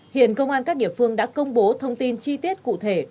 hiện công an các địa phương đã công bố thông tin chi tiết cụ thể